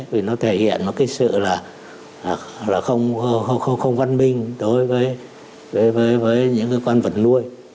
vì nó thể hiện một cái sự là không văn minh đối với những con vật nuôi